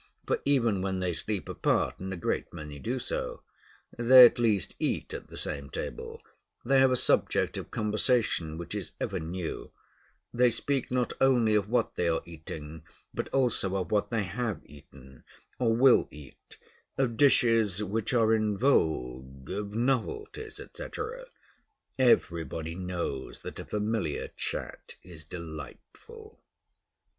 For even when they sleep apart (and a great many do so), they at least eat at the same table, they have a subject of conversation which is ever new, they speak not only of what they are eating, but also of what they have eaten or will eat, of dishes which are in vogue, of novelties, etc. Everybody knows that a familiar chat is delightful.